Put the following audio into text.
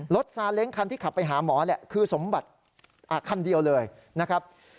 ซาเล้งคันที่ขับไปหาหมอแหละคือสมบัติคันเดียวเลยนะครับ